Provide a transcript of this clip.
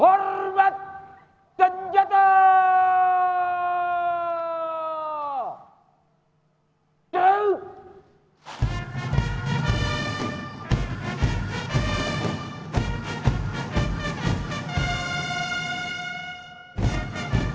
undangan disilahkan duduk kembali